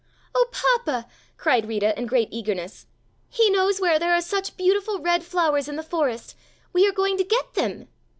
"Oh, Papa," cried Rita in great eagerness, "he knows where there are such beautiful red flowers in the forest; we are going to get them."